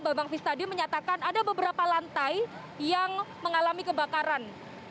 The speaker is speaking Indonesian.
bambang vistadi menyatakan ada beberapa lantai yang mengalami kebakaran